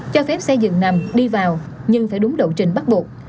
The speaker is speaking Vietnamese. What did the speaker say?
cho phép xe dường nằm đi vào nhưng phải đúng độ trình bắt buộc